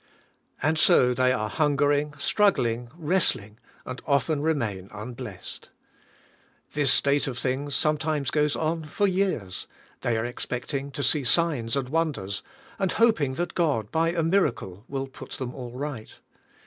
And so they are hungering, struggling, wrestling, and often remain unblessed. This state of things sometimes goes on for years — they are expecting to see signs and wonders, and hoping that God, by a miracle, will put them all right.